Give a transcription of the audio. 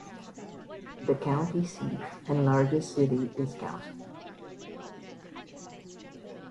The county seat and largest city is Council.